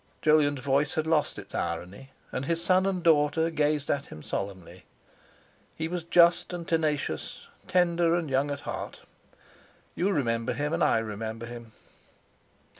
Jolyon's voice had lost its irony, and his son and daughter gazed at him solemnly, "He was just and tenacious, tender and young at heart. You remember him, and I remember him.